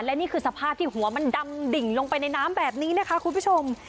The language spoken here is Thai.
และนี่คือสภาพที่หัวมันดำดิ่งลงไปในน้ำแบบนี้นะคะคุณผู้ชม